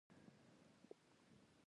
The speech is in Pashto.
زه پر کوچنيانو مهربانه يم.